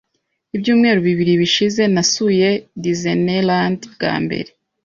Ibyumweru bibiri bishize, nasuye Disneyland bwa mbere.